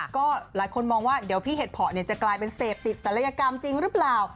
ก็หลายคนมองว่าเดี๋ยวพี่เห็ดเพาะจะกลายเป็นเสพติดศัลยกรรมจริงหรือเปล่า